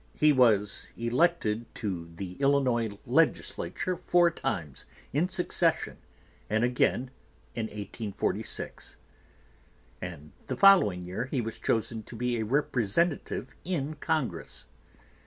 He was elected to the Illinois legislature four times in succession and again in 1846, and the following year he was chosen to be a Representative in Congress.